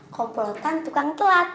kompotan tukang telat